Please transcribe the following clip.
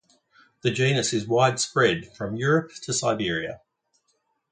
The genus is widespread from Europe to Siberia.